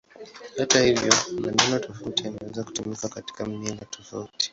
Hata hivyo, maneno tofauti yanaweza kutumika katika mila tofauti.